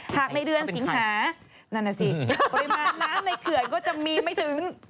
หากในเดือนสิงหานั่นน่ะสิปริมาณน้ำในเขื่อนก็จะมีไม่ถึง